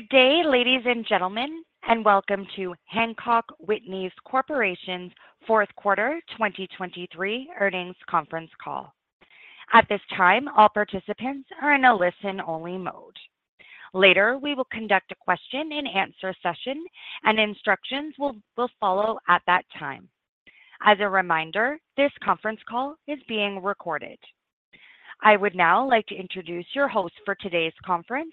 Good day, ladies and gentlemen, and welcome to Hancock Whitney Corporation's fourth quarter 2023 earnings conference call. At this time, all participants are in a listen-only mode. Later, we will conduct a question-and-answer session, and instructions will follow at that time. As a reminder, this conference call is being recorded. I would now like to introduce your host for today's conference,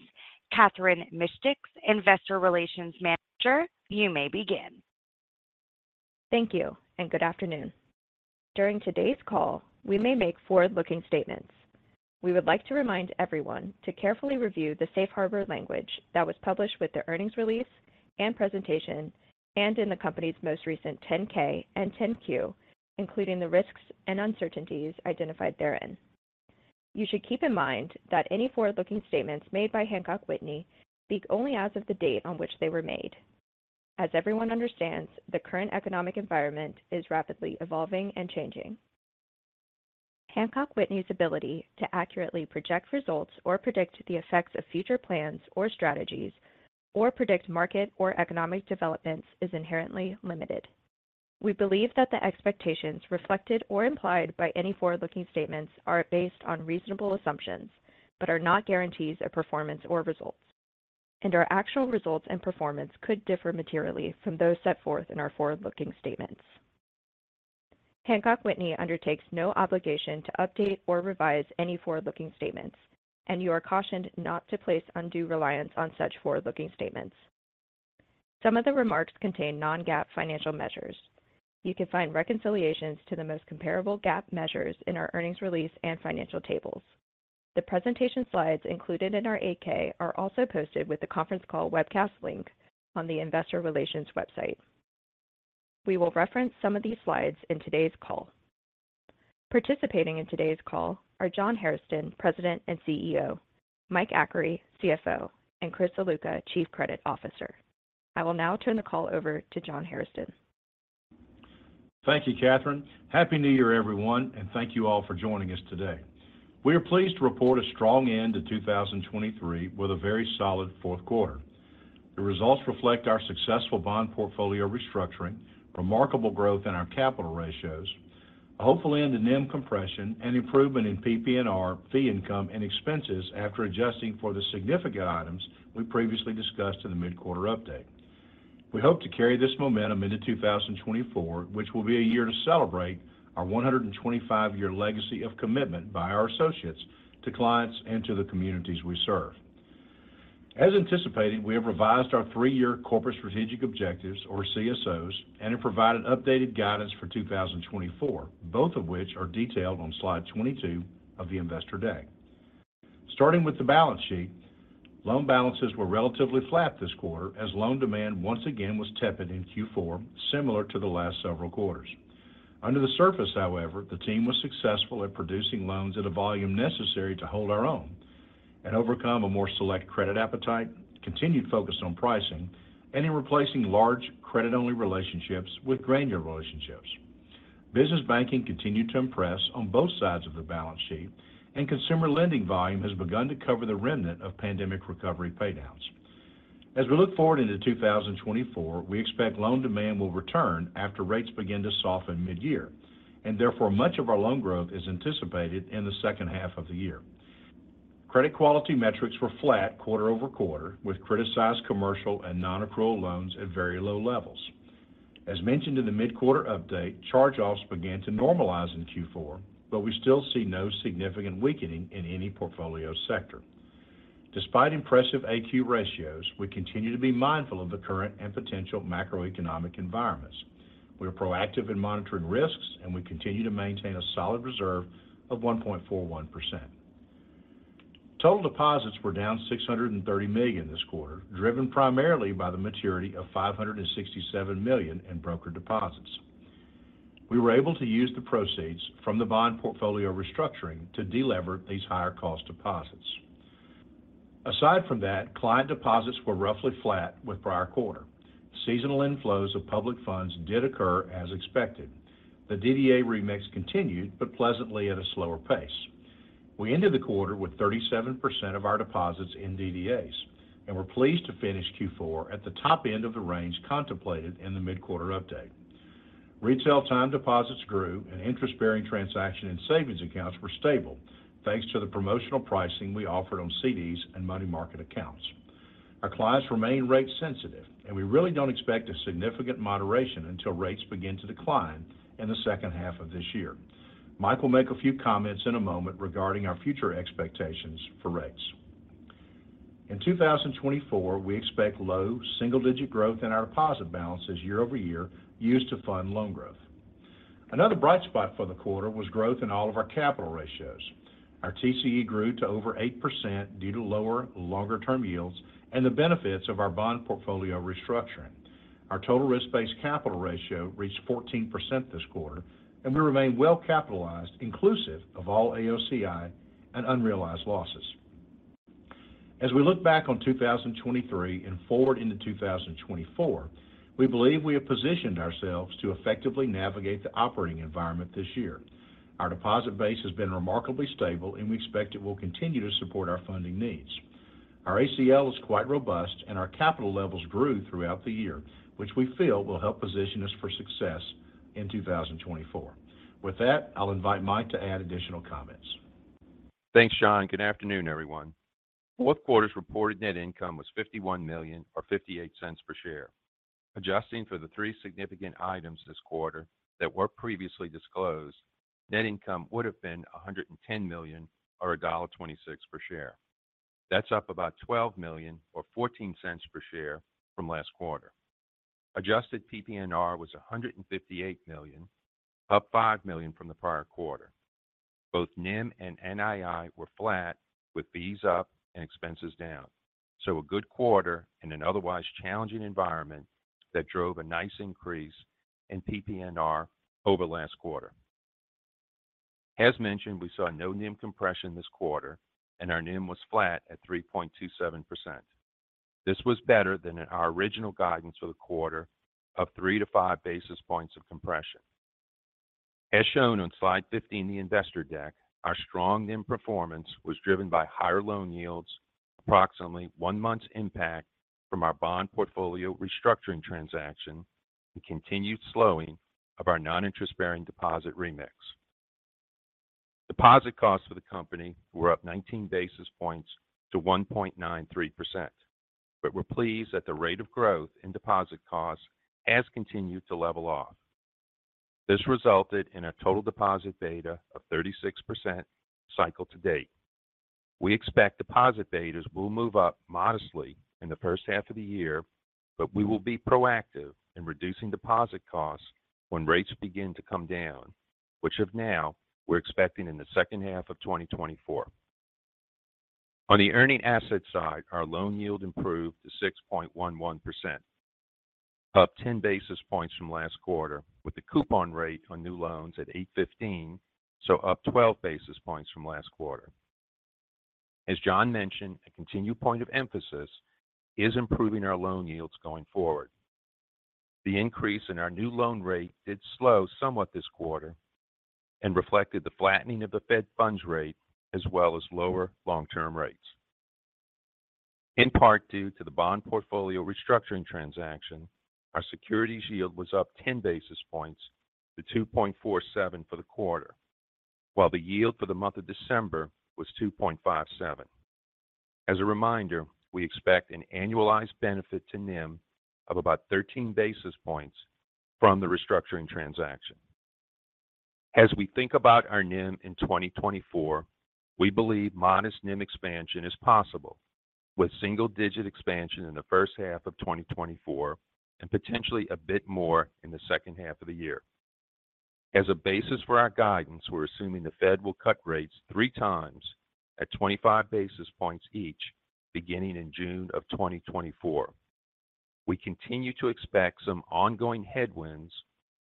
Kathryn Mistich, Investor Relations Manager. You may begin. Thank you, and good afternoon. During today's call, we may make forward-looking statements. We would like to remind everyone to carefully review the safe harbor language that was published with the earnings release and presentation, and in the company's most recent 10-K and 10-Q, including the risks and uncertainties identified therein. You should keep in mind that any forward-looking statements made by Hancock Whitney speak only as of the date on which they were made. As everyone understands, the current economic environment is rapidly evolving and changing. Hancock Whitney's ability to accurately project results or predict the effects of future plans or strategies, or predict market or economic developments is inherently limited. We believe that the expectations reflected or implied by any forward-looking statements are based on reasonable assumptions, but are not guarantees of performance or results. Our actual results and performance could differ materially from those set forth in our forward-looking statements. Hancock Whitney undertakes no obligation to update or revise any forward-looking statements, and you are cautioned not to place undue reliance on such forward-looking statements. Some of the remarks contain non-GAAP financial measures. You can find reconciliations to the most comparable GAAP measures in our earnings release and financial tables. The presentation slides included in our 8-K are also posted with the conference call webcast link on the investor relations website. We will reference some of these slides in today's call. Participating in today's call are John Hairston, President and CEO, Mike Achary, CFO, and Chris Ziluca, Chief Credit Officer. I will now turn the call over to John Hairston. Thank you, Kathryn. Happy New Year, everyone, and thank you all for joining us today. We are pleased to report a strong end to 2023, with a very solid fourth quarter. The results reflect our successful bond portfolio restructuring, remarkable growth in our capital ratios, a hopeful end to NIM compression, and improvement in PPNR, fee income and expenses after adjusting for the significant items we previously discussed in the mid-quarter update. We hope to carry this momentum into 2024, which will be a year to celebrate our 125-year legacy of commitment by our associates, to clients, and to the communities we serve. As anticipated, we have revised our three-year corporate strategic objectives, or CSOs, and have provided updated guidance for 2024, both of which are detailed on slide 22 of the Investor Day. Starting with the balance sheet, loan balances were relatively flat this quarter, as loan demand once again was tepid in Q4, similar to the last several quarters. Under the surface, however, the team was successful at producing loans at a volume necessary to hold our own and overcome a more select credit appetite, continued focus on pricing, and in replacing large credit-only relationships with granular relationships. Business banking continued to impress on both sides of the balance sheet, and consumer lending volume has begun to cover the remnant of pandemic recovery paydowns. As we look forward into 2024, we expect loan demand will return after rates begin to soften mid-year, and therefore, much of our loan growth is anticipated in the second half of the year. Credit quality metrics were flat quarter-over-quarter, with criticized commercial and nonaccrual loans at very low levels. As mentioned in the mid-quarter update, charge-offs began to normalize in Q4, but we still see no significant weakening in any portfolio sector. Despite impressive AQ ratios, we continue to be mindful of the current and potential macroeconomic environments. We are proactive in monitoring risks, and we continue to maintain a solid reserve of 1.41%. Total deposits were down $630 million this quarter, driven primarily by the maturity of $567 million in broker deposits. We were able to use the proceeds from the bond portfolio restructuring to delever these higher cost deposits. Aside from that, client deposits were roughly flat with prior quarter. Seasonal inflows of public funds did occur as expected. The DDA remix continued, but pleasantly at a slower pace. We ended the quarter with 37% of our deposits in DDAs, and we're pleased to finish Q4 at the top end of the range contemplated in the mid-quarter update. Retail time deposits grew, and interest-bearing transaction and savings accounts were stable, thanks to the promotional pricing we offered on CDs and money market accounts. Our clients remain rate sensitive, and we really don't expect a significant moderation until rates begin to decline in the second half of this year. Mike will make a few comments in a moment regarding our future expectations for rates. In 2024, we expect low single-digit growth in our deposit balances year-over-year, used to fund loan growth. Another bright spot for the quarter was growth in all of our capital ratios. Our TCE grew to over 8% due to lower, longer-term yields and the benefits of our bond portfolio restructuring. Our total risk-based capital ratio reached 14% this quarter, and we remain well capitalized, inclusive of all AOCI and unrealized losses. As we look back on 2023 and forward into 2024, we believe we have positioned ourselves to effectively navigate the operating environment this year. Our deposit base has been remarkably stable and we expect it will continue to support our funding needs.... Our ACL is quite robust, and our capital levels grew throughout the year, which we feel will help position us for success in 2024. With that, I'll invite Mike to add additional comments. Thanks, John. Good afternoon, everyone. Fourth quarter's reported net income was $51 million, or $0.58 per share. Adjusting for the three significant items this quarter that were previously disclosed, net income would have been $110 million or $1.26 per share. That's up about $12 million or $0.14 per share from last quarter. Adjusted PPNR was $158 million, up $5 million from the prior quarter. Both NIM and NII were flat, with fees up and expenses down. So a good quarter in an otherwise challenging environment that drove a nice increase in PPNR over last quarter. As mentioned, we saw no NIM compression this quarter, and our NIM was flat at 3.27%. This was better than our original guidance for the quarter of 3-5 basis points of compression. As shown on slide 15, the investor deck, our strong NIM performance was driven by higher loan yields, approximately 1 month's impact from our bond portfolio restructuring transaction, and continued slowing of our non-interest-bearing deposit remix. Deposit costs for the company were up 19 basis points to 1.93%. But we're pleased that the rate of growth in deposit costs has continued to level off. This resulted in a total deposit beta of 36% cycle to date. We expect deposit betas will move up modestly in the first half of the year, but we will be proactive in reducing deposit costs when rates begin to come down, which, as of now, we're expecting in the second half of 2024. On the earning asset side, our loan yield improved to 6.11%, up 10 basis points from last quarter, with the coupon rate on new loans at 8.15, so up 12 basis points from last quarter. As John mentioned, a continued point of emphasis is improving our loan yields going forward. The increase in our new loan rate did slow somewhat this quarter and reflected the flattening of the Fed Funds Rate, as well as lower long-term rates. In part due to the bond portfolio restructuring transaction, our securities yield was up 10 basis points to 2.47 for the quarter, while the yield for the month of December was 2.57. As a reminder, we expect an annualized benefit to NIM of about 13 basis points from the restructuring transaction. As we think about our NIM in 2024, we believe modest NIM expansion is possible, with single-digit expansion in the first half of 2024 and potentially a bit more in the second half of the year. As a basis for our guidance, we're assuming the Fed will cut rates 3 times at 25 basis points each, beginning in June of 2024. We continue to expect some ongoing headwinds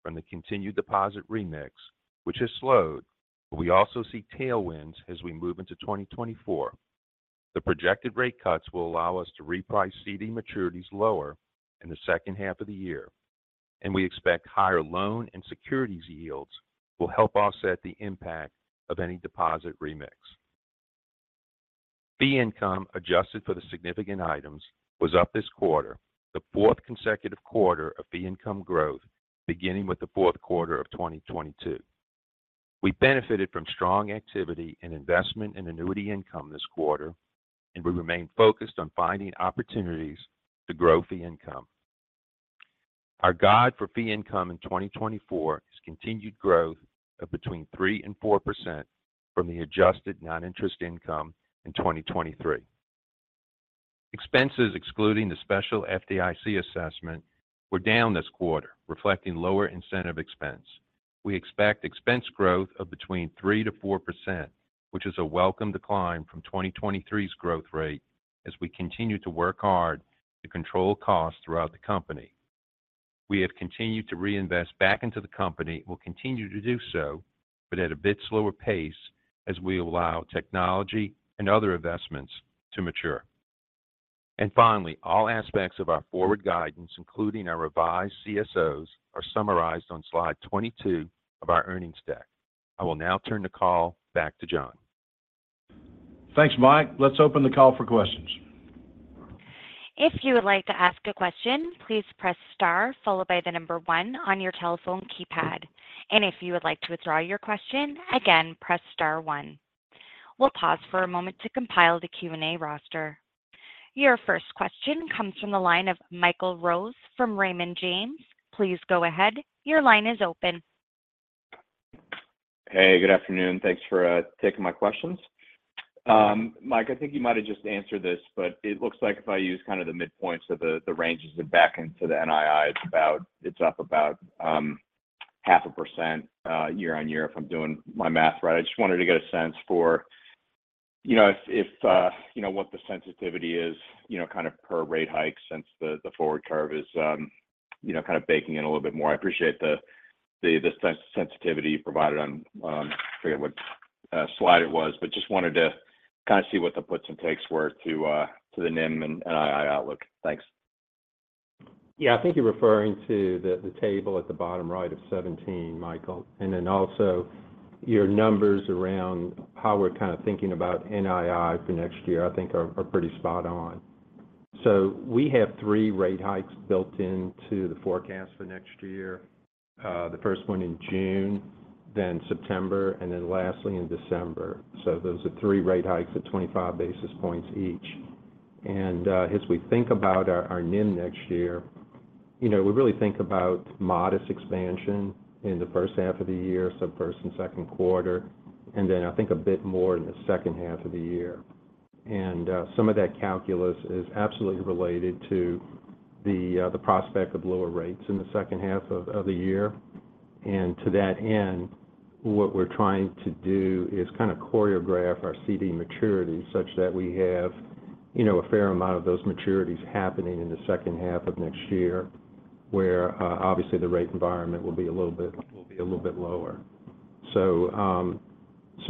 from the continued deposit remix, which has slowed, but we also see tailwinds as we move into 2024. The projected rate cuts will allow us to reprice CD maturities lower in the second half of the year, and we expect higher loan and securities yields will help offset the impact of any deposit remix. Fee income, adjusted for the significant items, was up this quarter, the fourth consecutive quarter of fee income growth, beginning with the fourth quarter of 2022. We benefited from strong activity in investment and annuity income this quarter, and we remain focused on finding opportunities to grow fee income. Our guide for fee income in 2024 is continued growth of between 3% and 4% from the adjusted non-interest income in 2023. Expenses, excluding the special FDIC assessment, were down this quarter, reflecting lower incentive expense. We expect expense growth of between 3% to 4%, which is a welcome decline from 2023's growth rate as we continue to work hard to control costs throughout the company. We have continued to reinvest back into the company and will continue to do so, but at a bit slower pace as we allow technology and other investments to mature. And finally, all aspects of our forward guidance, including our revised CSOs, are summarized on slide 22 of our earnings deck. I will now turn the call back to John. Thanks, Mike. Let's open the call for questions. If you would like to ask a question, please press star followed by the number 1 on your telephone keypad. If you would like to withdraw your question, again, press star 1. We'll pause for a moment to compile the Q&A roster. Your first question comes from the line of Michael Rose from Raymond James. Please go ahead. Your line is open. Hey, good afternoon. Thanks for taking my questions. Mike, I think you might have just answered this, but it looks like if I use kind of the midpoints of the ranges to back into the NII, it's up about 0.5% year-over-year, if I'm doing my math right. I just wanted to get a sense for, you know, what the sensitivity is, you know, kind of per rate hike since the forward curve is, you know, kind of baking in a little bit more. I appreciate the sensitivity you provided on... I forget what slide it was, but just wanted to kind of see what the puts and takes were to the NIM and NII outlook. Thanks.... Yeah, I think you're referring to the table at the bottom right of 17, Michael. And then also, your numbers around how we're kind of thinking about NII for next year, I think are pretty spot on. So we have 3 rate hikes built into the forecast for next year. The first one in June, then September, and then lastly in December. So those are 3 rate hikes of 25 basis points each. And as we think about our NIM next year, you know, we really think about modest expansion in the first half of the year, so first and second quarter, and then I think a bit more in the second half of the year. And some of that calculus is absolutely related to the prospect of lower rates in the second half of the year. To that end, what we're trying to do is kind of choreograph our CD maturity, such that we have, you know, a fair amount of those maturities happening in the second half of next year, where obviously, the rate environment will be a little bit lower. So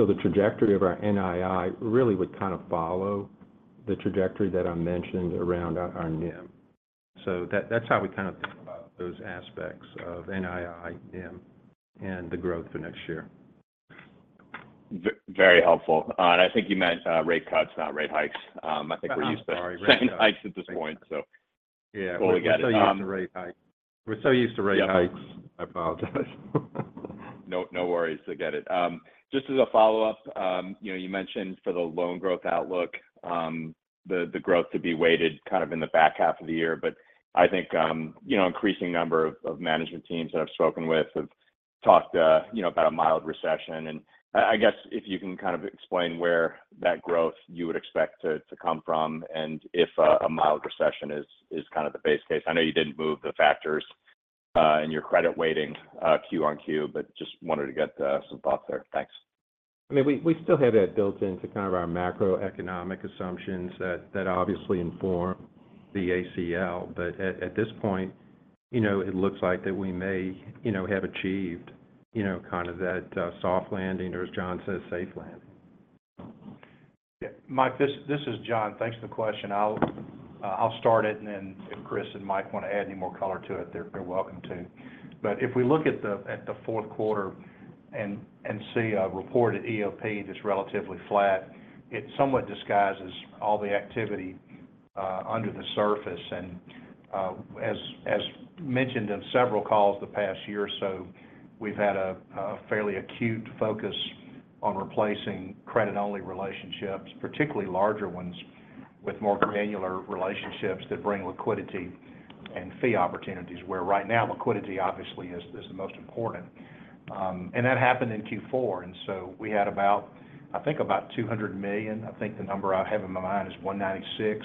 the trajectory of our NII really would kind of follow the trajectory that I mentioned around our NIM. So that's how we kind of think about those aspects of NII, NIM, and the growth for next year. Very helpful. I think you meant rate cuts, not rate hikes. I think we're used to- Sorry, sorry. rate hikes at this point. So- Yeah. Well, we get it. We're so used to rate hikes. Yeah. We're so used to rate hikes. Yeah. I apologize. No, no worries. I get it. Just as a follow-up, you know, you mentioned for the loan growth outlook, the growth to be weighted kind of in the back half of the year. But I think, you know, increasing number of management teams that I've spoken with have talked, you know, about a mild recession. And I guess if you can kind of explain where that growth you would expect to come from, and if a mild recession is kind of the base case. I know you didn't move the factors in your credit weighting, Q-on-Q, but just wanted to get some thoughts there. Thanks. I mean, we still have that built into kind of our macroeconomic assumptions that obviously inform the ACL. But at this point, you know, it looks like that we may, you know, have achieved, you know, kind of that soft landing, or as John says, safe landing. Yeah. Mike, this is John. Thanks for the question. I'll start it, and then if Chris and Mike want to add any more color to it, they're welcome to. But if we look at the fourth quarter and see a reported EOP that's relatively flat, it somewhat disguises all the activity under the surface. And as mentioned on several calls the past year or so, we've had a fairly acute focus on replacing credit-only relationships, particularly larger ones, with more granular relationships that bring liquidity and fee opportunities, where right now, liquidity, obviously, is the most important. And that happened in Q4, and so we had about, I think about $200 million. I think the number I have in my mind is $196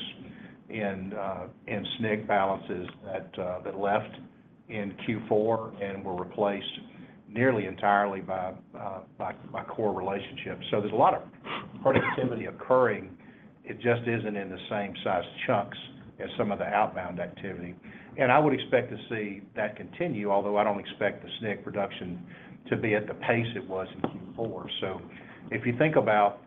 in SNC balances that left in Q4 and were replaced nearly entirely by core relationships. So there's a lot of productivity occurring. It just isn't in the same size chunks as some of the outbound activity. I would expect to see that continue, although I don't expect the SNC reduction to be at the pace it was in Q4. So if you think about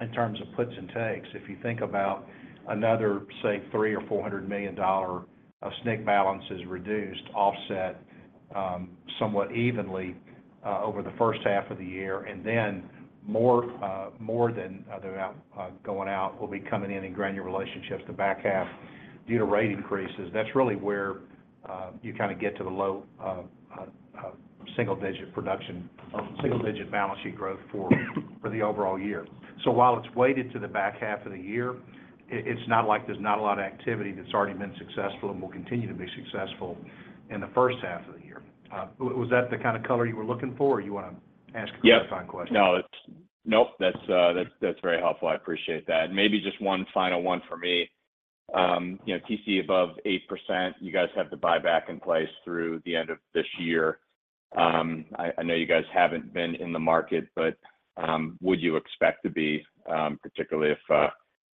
in terms of puts and takes, if you think about another, say, $300-$400 million of SNC balances reduced, offset somewhat evenly over the first half of the year, and then more than the amount going out will be coming in in granular relationships the back half due to rate increases, that's really where you kind of get to the low single digit production or single digit balance sheet growth for the overall year. So while it's weighted to the back half of the year, it's not like there's not a lot of activity that's already been successful and will continue to be successful in the first half of the year. Was that the kind of color you were looking for, or you want to ask a different question? Yep. Nope, that's very helpful. I appreciate that. Maybe just one final one for me. You know, TCE above 8%, you guys have the buyback in place through the end of this year. I know you guys haven't been in the market, but would you expect to be, particularly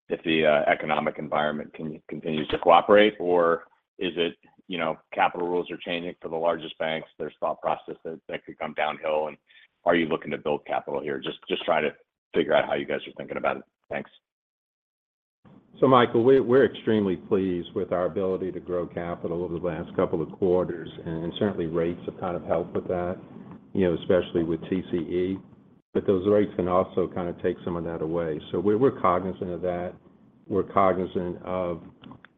if the economic environment continues to cooperate? Or is it, you know, capital rules are changing for the largest banks, there's thought processes that could come downhill, and are you looking to build capital here? Just trying to figure out how you guys are thinking about it. Thanks. So Michael, we're extremely pleased with our ability to grow capital over the last couple of quarters, and certainly rates have kind of helped with that, you know, especially with TCE. But those rates can also kind of take some of that away. So we're cognizant of that. We're cognizant of,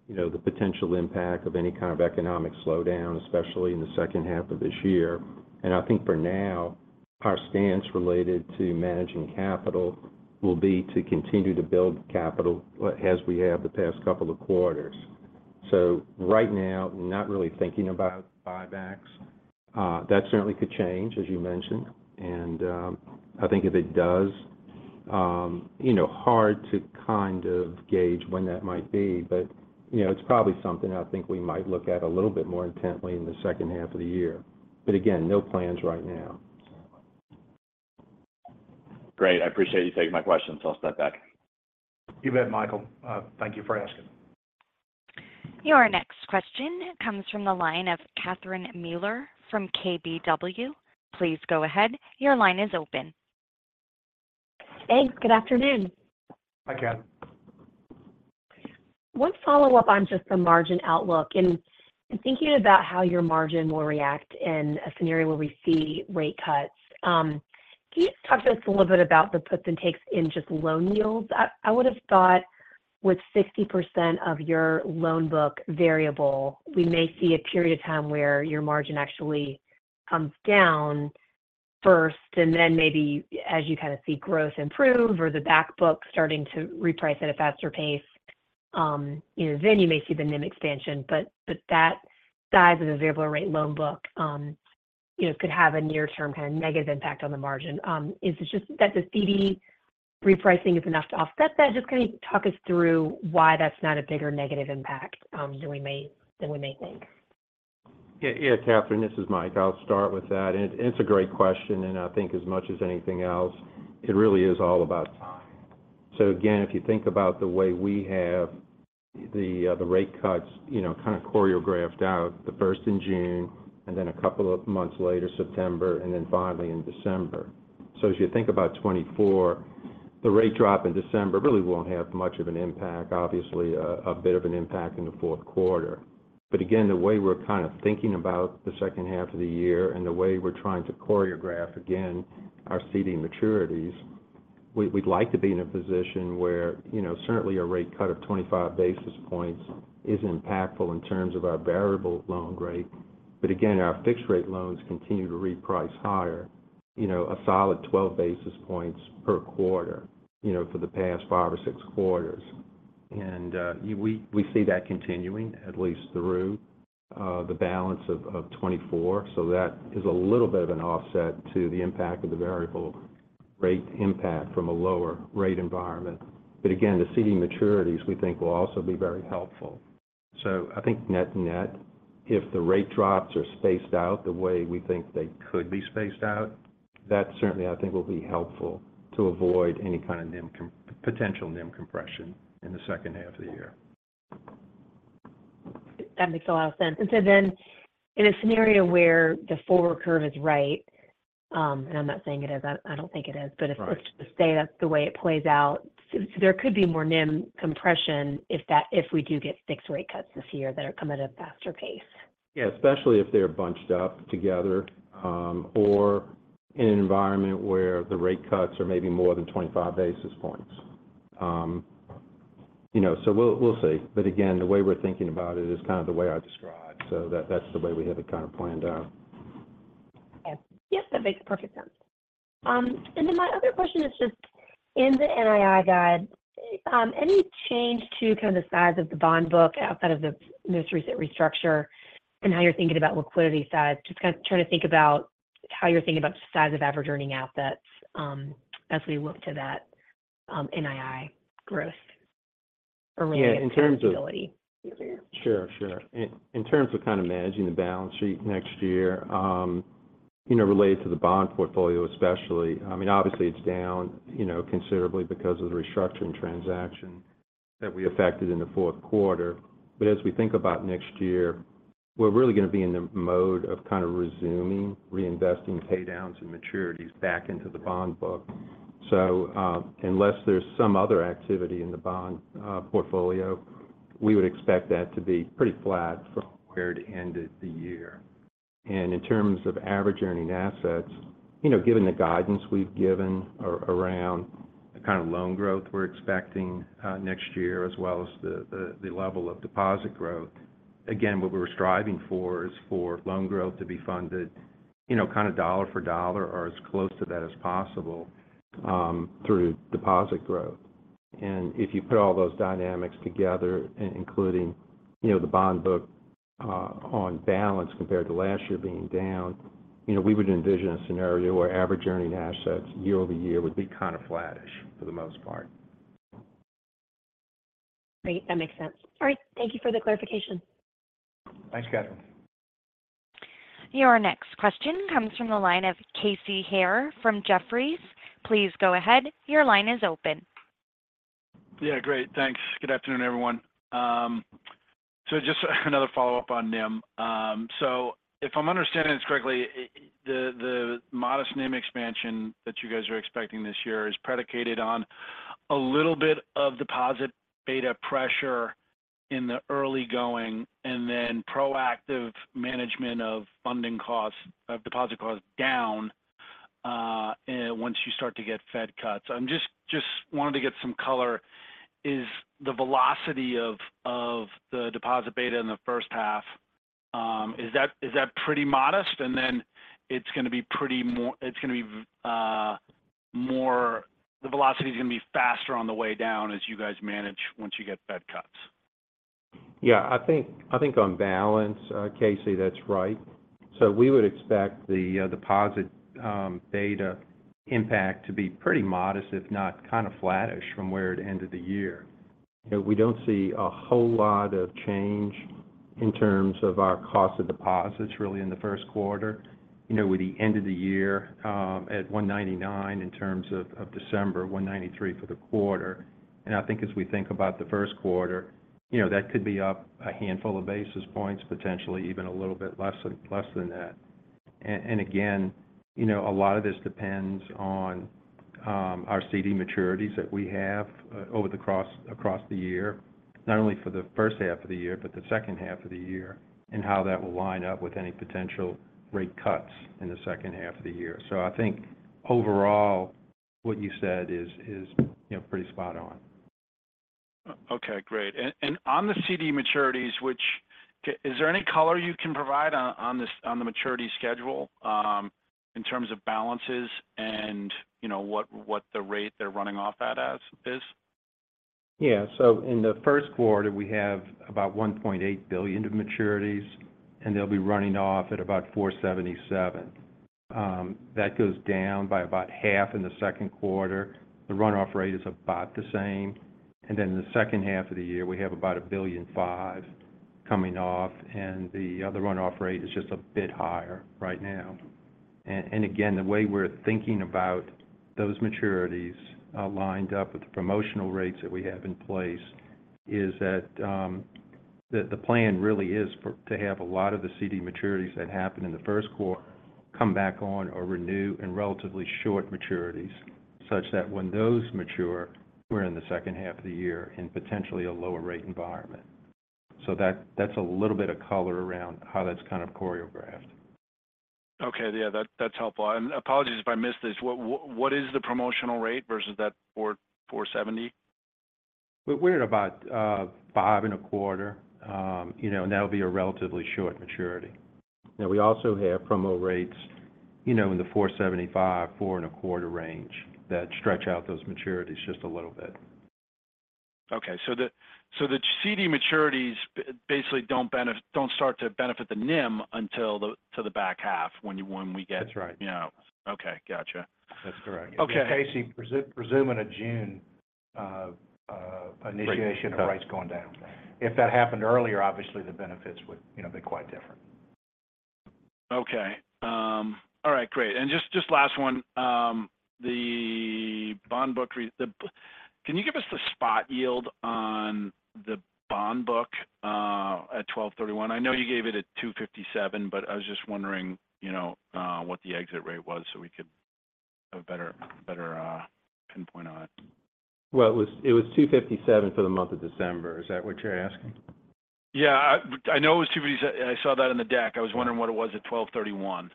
you know, the potential impact of any kind of economic slowdown, especially in the second half of this year. And I think for now, our stance related to managing capital will be to continue to build capital, as we have the past couple of quarters. So right now, not really thinking about buybacks. That certainly could change, as you mentioned, and I think if it does, you know, hard to kind of gauge when that might be, but you know, it's probably something I think we might look at a little bit more intently in the second half of the year. But again, no plans right now. Great. I appreciate you taking my questions. I'll step back. You bet, Michael. Thank you for asking. Your next question comes from the line of Catherine Mealor from KBW. Please go ahead. Your line is open.... Thanks. Good afternoon. Hi, Catherine. One follow-up on just the margin outlook, and in thinking about how your margin will react in a scenario where we see rate cuts, can you just talk to us a little bit about the puts and takes in just loan yields? I would have thought with 60% of your loan book variable, we may see a period of time where your margin actually comes down first, and then maybe as you kind of see growth improve or the back book starting to reprice at a faster pace, you know, then you may see the NIM expansion. But that size of the variable rate loan book, you know, could have a near-term kind of negative impact on the margin. Is it just that the CD repricing is enough to offset that? Just kind of talk us through why that's not a bigger negative impact than we may think. Yeah, yeah, Catherine, this is Mike. I'll start with that, and it, it's a great question, and I think as much as anything else, it really is all about time. So again, if you think about the way we have the, the rate cuts, you know, kind of choreographed out, the first in June, and then a couple of months later, September, and then finally in December. So as you think about 2024, the rate drop in December really won't have much of an impact. Obviously, a bit of an impact in the fourth quarter. But again, the way we're kind of thinking about the second half of the year and the way we're trying to choreograph again, our CD maturities, we, we'd like to be in a position where, you know, certainly a rate cut of 25 basis points is impactful in terms of our variable loan rate. But again, our fixed rate loans continue to reprice higher, you know, a solid 12 basis points per quarter, you know, for the past 5 or 6 quarters. And, we see that continuing at least through the balance of 2024. So that is a little bit of an offset to the impact of the variable rate impact from a lower rate environment. But again, the CD maturities, we think will also be very helpful. I think net-net, if the rate drops are spaced out the way we think they could be spaced out, that certainly I think, will be helpful to avoid any kind of potential NIM compression in the second half of the year. That makes a lot of sense. And so then, in a scenario where the forward curve is right, and I'm not saying it is, I don't think it is- Right. But let's just say that's the way it plays out, so there could be more NIM compression if that, if we do get 6 rate cuts this year that come at a faster pace? Yeah, especially if they're bunched up together, or in an environment where the rate cuts are maybe more than 25 basis points. You know, so we'll, we'll see. But again, the way we're thinking about it is kind of the way I described. So that, that's the way we have it kind of planned out. Yes. Yes, that makes perfect sense. And then my other question is just in the NII guide, any change to kind of the size of the bond book outside of the most recent restructure and how you're thinking about liquidity size? Just kind of trying to think about how you're thinking about the size of average earning assets, as we look to that, NII growth or really- Yeah, in terms of- -stability. Sure, sure. In terms of kind of managing the balance sheet next year, you know, related to the bond portfolio especially, I mean, obviously, it's down, you know, considerably because of the restructuring transaction that we effected in the fourth quarter. But as we think about next year, we're really going to be in the mode of kind of resuming, reinvesting pay downs and maturities back into the bond book. So, unless there's some other activity in the bond portfolio, we would expect that to be pretty flat from where it ended the year. In terms of average earning assets, you know, given the guidance we've given around the kind of loan growth we're expecting next year, as well as the level of deposit growth, again, what we're striving for is for loan growth to be funded, you know, kind of dollar for dollar or as close to that as possible through deposit growth. If you put all those dynamics together, including, you know, the bond book on balance compared to last year being down, you know, we would envision a scenario where average earning assets year-over-year would be kind of flattish for the most part. Great, that makes sense. All right. Thank you for the clarification. Thanks, Catherine. Your next question comes from the line of Casey Haire from Jefferies. Please go ahead. Your line is open. Yeah, great. Thanks. Good afternoon, everyone. So just another follow-up on NIM. So if I'm understanding this correctly, the modest NIM expansion that you guys are expecting this year is predicated on a little bit of deposit beta pressure in the early going, and then proactive management of funding costs, of deposit costs down, once you start to get Fed cuts. I'm just wanted to get some color. Is the velocity of the deposit beta in the first half, is that pretty modest? And then it's going to be more. The velocity is going to be faster on the way down as you guys manage once you get Fed cuts. Yeah, I think on balance, Casey, that's right. So we would expect the deposit beta impact to be pretty modest, if not kind of flattish from where it ended the year. You know, we don't see a whole lot of change in terms of our cost of deposits really in the first quarter, you know, with the end of the year at 1.99 in terms of December, 1.93 for the quarter. And I think as we think about the first quarter, you know, that could be up a handful of basis points, potentially even a little bit less than that. And again, you know, a lot of this depends on our CD maturities that we have across the year, not only for the first half of the year, but the second half of the year, and how that will line up with any potential rate cuts in the second half of the year. So I think overall, what you said is, you know, pretty spot on. Okay, great. And on the CD maturities, which is there any color you can provide on this, on the maturity schedule, in terms of balances and, you know, what the rate they're running off at as is? Yeah. So in the first quarter, we have about $1.8 billion of maturities, and they'll be running off at about 4.77%. That goes down by about half in the second quarter. The run-off rate is about the same. And then in the second half of the year, we have about $1.5 billion coming off, and the other run-off rate is just a bit higher right now. And again, the way we're thinking about those maturities lined up with the promotional rates that we have in place, is that the plan really is to have a lot of the CD maturities that happen in the first quarter come back on or renew in relatively short maturities, such that when those mature, we're in the second half of the year in potentially a lower rate environment. So that's a little bit of color around how that's kind of choreographed. Okay. Yeah, that's helpful. Apologies if I missed this, what is the promotional rate versus that 4.70? We're at about 5.25. You know, and that'll be a relatively short maturity. Now, we also have promo rates, you know, in the 4.75-4.25 range, that stretch out those maturities just a little bit. Okay. So the CD maturities basically don't start to benefit the NIM until the back half when we get- That's right. You know. Okay, gotcha. That's correct. Okay. Casey, presuming a June initiation- Right... of rates going down. If that happened earlier, obviously, the benefits would, you know, be quite different. Okay. All right, great. Just, just last one, the bond book—can you give us the spot yield on the bond book at 12/31? I know you gave it at 2.57, but I was just wondering, you know, what the exit rate was so we could have a better, better pinpoint on it. Well, it was, it was 257 for the month of December. Is that what you're asking? Yeah. I know it was 250. I saw that in the deck. Right. I was wondering what it was at 12/31.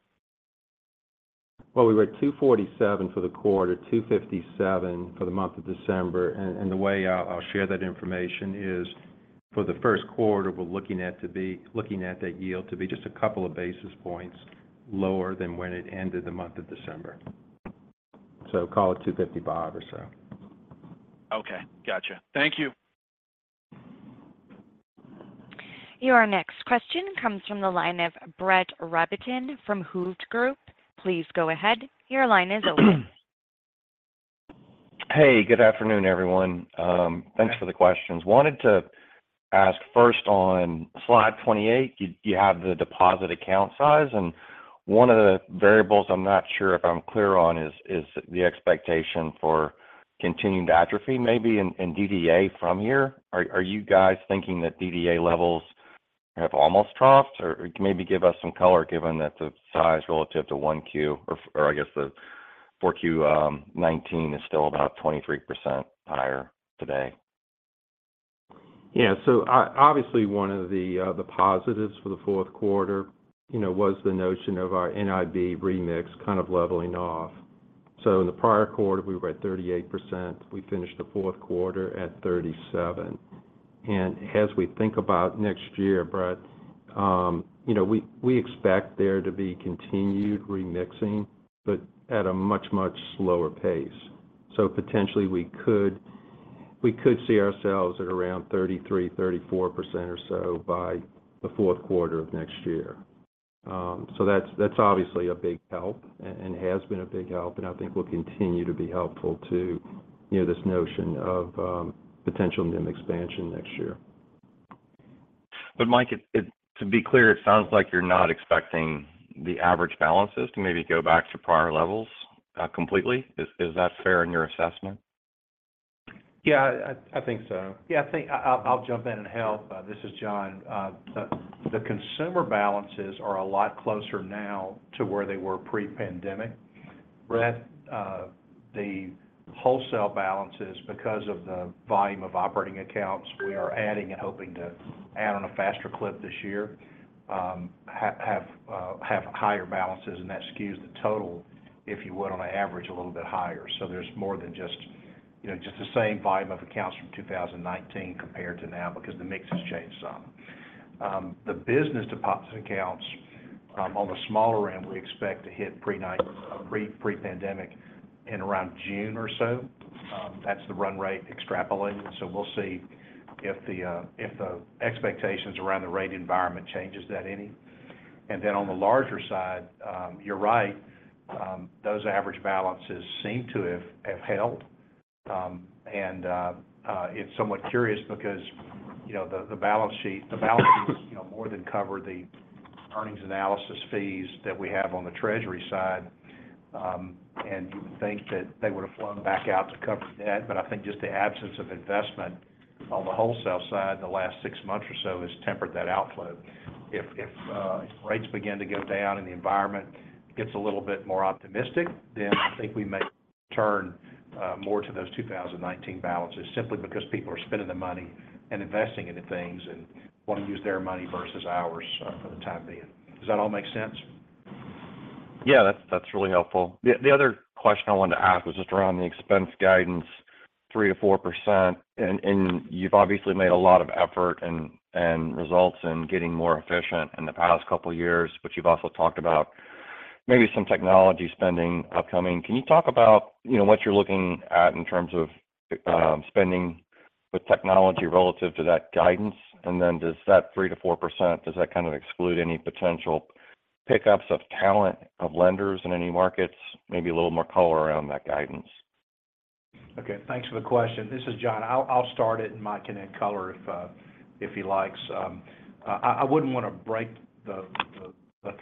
Well, we were at 247 for the quarter, 257 for the month of December. And the way I'll share that information is, for the first quarter, we're looking at that yield to be just a couple of basis points lower than when it ended the month of December. So call it 255 or so. Okay, gotcha. Thank you. Your next question comes from the line of Brett Rabatin from Hovde Group. Please go ahead. Your line is open. Hey, good afternoon, everyone. Thanks for the questions. Wanted to ask first on slide 28, you have the deposit account size, and one of the variables I'm not sure if I'm clear on is the expectation for continued atrophy, maybe in DDA from here. Are you guys thinking that DDA levels have almost troughed? Or maybe give us some color, given that the size relative to 1Q, or I guess the 4Q 2019 is still about 23% higher today. Yeah. So obviously, one of the, the positives for the fourth quarter, you know, was the notion of our NIB remix kind of leveling off. So in the prior quarter, we were at 38%. We finished the fourth quarter at 37%. And as we think about next year, Brett, you know, we, we expect there to be continued remixing, but at a much, much slower pace. So potentially, we could, we could see ourselves at around 33%-34% or so by the fourth quarter of next year. So that's, that's obviously a big help, and, and has been a big help, and I think will continue to be helpful to, you know, this notion of, potential NIM expansion next year. But Mike, to be clear, it sounds like you're not expecting the average balances to maybe go back to prior levels completely. Is that fair in your assessment? Yeah, I think so. Yeah, I think I'll jump in and help. This is John. The consumer balances are a lot closer now to where they were pre-pandemic. Brett, the wholesale balances, because of the volume of operating accounts we are adding and hoping to add on a faster clip this year, have higher balances, and that skews the total, if you would, on an average, a little bit higher. So there's more than just, you know, just the same volume of accounts from 2019 compared to now, because the mix has changed some. The business deposits accounts on the smaller end, we expect to hit pre-pandemic in around June or so. That's the run rate extrapolated. So we'll see if the expectations around the rate environment changes that any. And then on the larger side, you're right, those average balances seem to have held. And it's somewhat curious because, you know, the balance sheet, you know, more than covered the earnings analysis fees that we have on the treasury side. And you would think that they would have flown back out to cover the debt. But I think just the absence of investment on the wholesale side in the last six months or so has tempered that outflow. If rates begin to go down, and the environment gets a little bit more optimistic, then I think we may turn more to those 2019 balances, simply because people are spending the money and investing it in things, and want to use their money versus ours for the time being. Does that all make sense? Yeah, that's, that's really helpful. The, the other question I wanted to ask was just around the expense guidance, 3%-4%. And, and you've obviously made a lot of effort and, and results in getting more efficient in the past couple of years, but you've also talked about maybe some technology spending upcoming. Can you talk about, you know, what you're looking at in terms of, spending with technology relative to that guidance? And then, does that 3%-4%, does that kind of exclude any potential pickups of talent, of lenders in any markets? Maybe a little more color around that guidance. Okay, thanks for the question. This is John. I'll start it, and Mike can add color if he likes. I wouldn't want to break the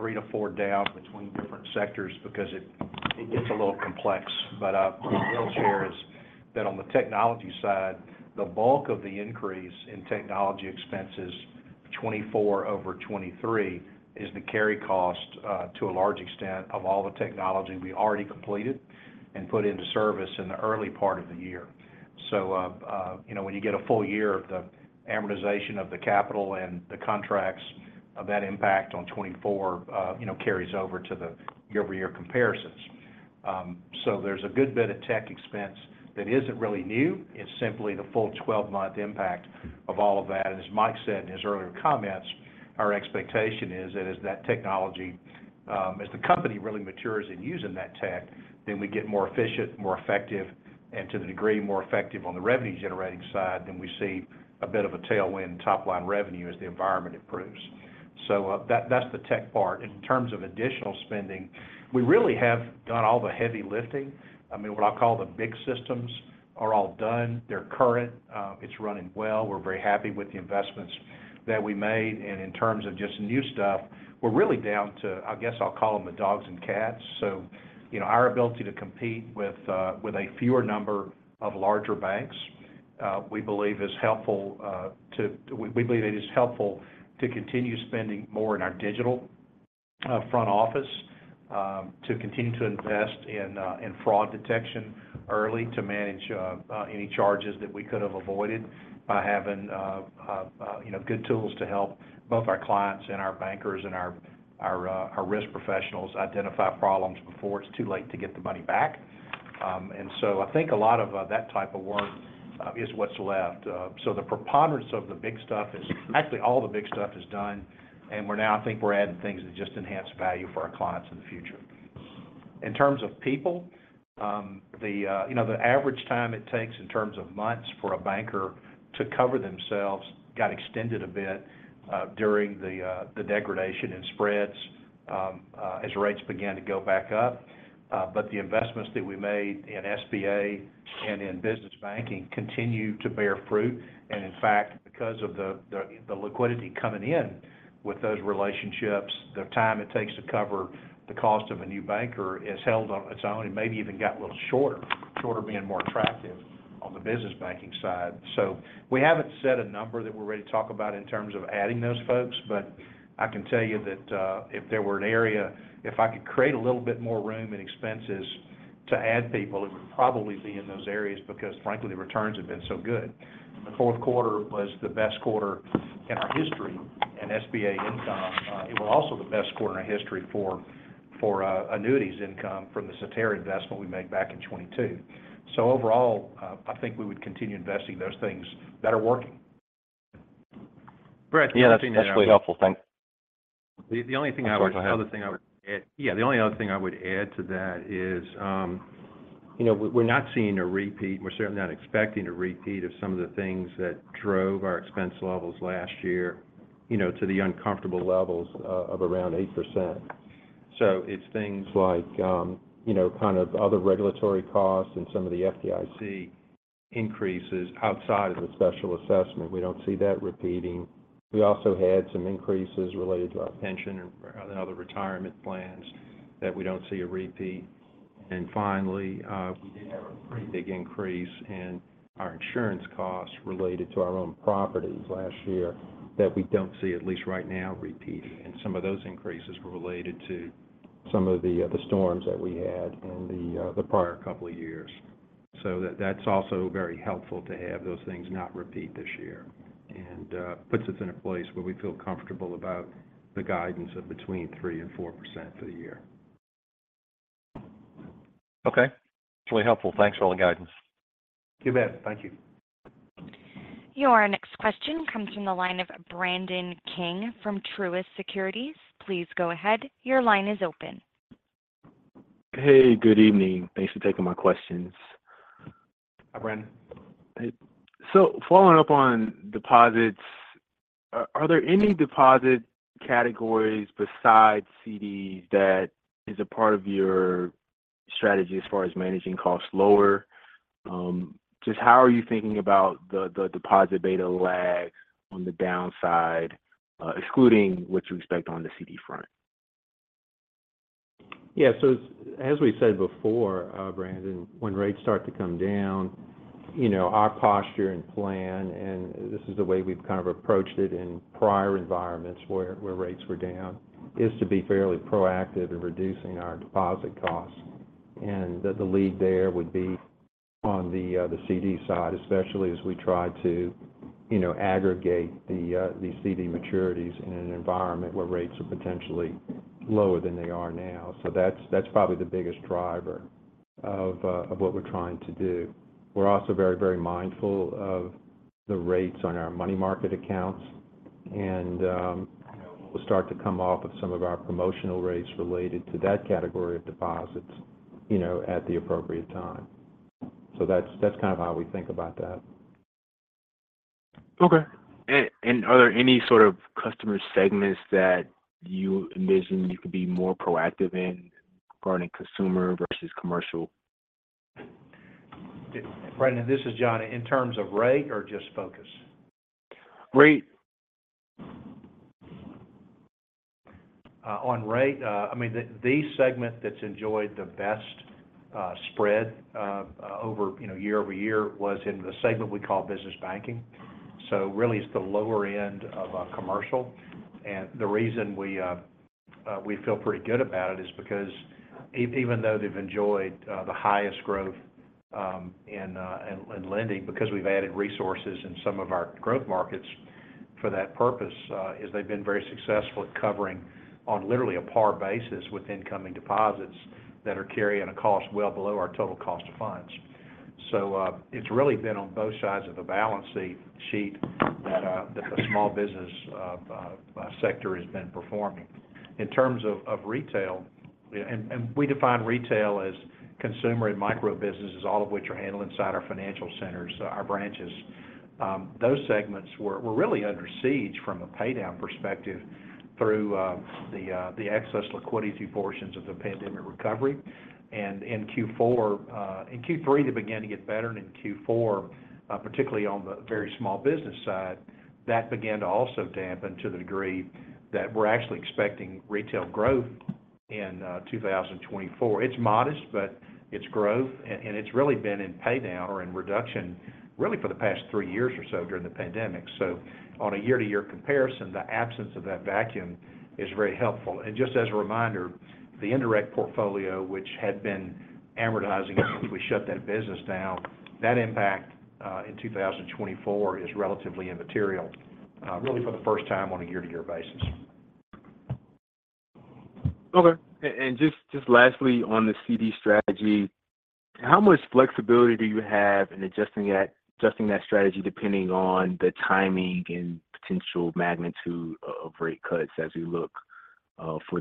3-4 down between different sectors because it gets a little complex. But what I will share is that on the technology side, the bulk of the increase in technology expenses, 2024 over 2023, is the carry cost to a large extent of all the technology we already completed and put into service in the early part of the year. So you know, when you get a full year of the amortization of the capital and the contracts of that impact on 2024, you know, carries over to the year-over-year comparisons. So there's a good bit of tech expense that isn't really new. It's simply the full 12-month impact of all of that. And as Mike said in his earlier comments, our expectation is that as that technology, as the company really matures in using that tech, then we get more efficient, more effective, and to the degree, more effective on the revenue generating side, then we see a bit of a tailwind top line revenue as the environment improves. So, that, that's the tech part. In terms of additional spending, we really have done all the heavy lifting. I mean, what I call the big systems are all done. They're current, it's running well. We're very happy with the investments that we made. And in terms of just new stuff, we're really down to, I guess, I'll call them the dogs and cats. So, you know, our ability to compete with a fewer number of larger banks, we believe is helpful. We believe it is helpful to continue spending more in our digital front office, to continue to invest in fraud detection early, to manage any charges that we could have avoided by having you know, good tools to help both our clients, and our bankers, and our risk professionals identify problems before it's too late to get the money back. And so I think a lot of that type of work is what's left. So the preponderance of the big stuff is actually all the big stuff is done, and we're now, I think we're adding things that just enhance value for our clients in the future. In terms of people, you know, the average time it takes in terms of months for a banker to cover themselves got extended a bit, during the degradation in spreads, as rates began to go back up. But the investments that we made in SBA and in business banking continue to bear fruit, and in fact, because of the liquidity coming in with those relationships, the time it takes to cover the cost of a new banker is held on its own and maybe even got a little shorter. Shorter, being more attractive on the business banking side. So we haven't set a number that we're ready to talk about in terms of adding those folks, but I can tell you that if there were an area, if I could create a little bit more room in expenses to add people, it would probably be in those areas, because frankly, the returns have been so good. The fourth quarter was the best quarter in our history in SBA income. It was also the best quarter in our history for annuities income from the Cetera investment we made back in 2022. So overall, I think we would continue investing in those things that are working. Brett- Yeah, that's, that's really helpful. Thanks. The only thing I would- Sorry, go ahead. The other thing I would add, yeah, the only other thing I would add to that is, you know, we're not seeing a repeat, and we're certainly not expecting a repeat of some of the things that drove our expense levels last year, you know, to the uncomfortable levels of around 8%. So it's things like, you know, kind of other regulatory costs and some of the FDIC increases outside of the special assessment. We don't see that repeating. We also had some increases related to our pension and other retirement plans that we don't see a repeat. And finally, we did have a pretty big increase in our insurance costs related to our own properties last year, that we don't see, at least right now, repeating. Some of those increases were related to some of the storms that we had in the prior couple of years. That's also very helpful to have those things not repeat this year, and puts us in a place where we feel comfortable about the guidance of between 3% and 4% for the year. Okay. It's really helpful. Thanks for all the guidance. You bet. Thank you. Your next question comes from the line of Brandon King from Truist Securities. Please go ahead. Your line is open. Hey, good evening. Thanks for taking my questions. Hi, Brandon. So following up on deposits, are there any deposit categories besides CDs that is a part of your strategy as far as managing costs lower? Just how are you thinking about the deposit beta lag on the downside, excluding with respect on the CD front? Yeah. So as, as we said before, Brandon, when rates start to come down, you know, our posture and plan, and this is the way we've kind of approached it in prior environments where rates were down, is to be fairly proactive in reducing our deposit costs. And the lead there would be on the CD side, especially as we try to, you know, aggregate the CD maturities in an environment where rates are potentially lower than they are now. So that's probably the biggest driver of what we're trying to do. We're also very, very mindful of the rates on our money market accounts, and we'll start to come off of some of our promotional rates related to that category of deposits, you know, at the appropriate time. So that's kind of how we think about that. Okay. And are there any sort of customer segments that you envision you could be more proactive in regarding consumer versus commercial? Brandon, this is John. In terms of rate or just focus? Rate. On rate, I mean, the segment that's enjoyed the best spread over, you know, year-over-year was in the segment we call business banking. So really, it's the lower end of commercial. And the reason we feel pretty good about it is because even though they've enjoyed the highest growth in lending, because we've added resources in some of our growth markets for that purpose, is they've been very successful at covering on literally a par basis with incoming deposits that are carrying a cost well below our total cost of funds. So, it's really been on both sides of the balance sheet that the small business sector has been performing. In terms of retail, we define retail as consumer and micro businesses, all of which are handled inside our financial centers, our branches. Those segments were really under siege from a pay down perspective through the excess liquidity portions of the pandemic recovery. And in Q3, they began to get better, and in Q4, particularly on the very small business side, that began to also dampen to the degree that we're actually expecting retail growth in 2024. It's modest, but it's growth, and it's really been in pay down or in reduction really for the past three years or so during the pandemic. So on a year-to-year comparison, the absence of that vacuum is very helpful. Just as a reminder, the indirect portfolio, which had been amortizing since we shut that business down, that impact in 2024 is relatively immaterial, really for the first time on a year-to-year basis. Okay. And just lastly on the CD strategy, how much flexibility do you have in adjusting that strategy depending on the timing and potential magnitude of rate cuts as you look for